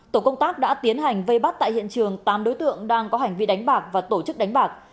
tổ công tác đã tiến hành vây bắt tại hiện trường tám đối tượng đang có hành vi đánh bạc và tổ chức đánh bạc